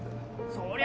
そりゃ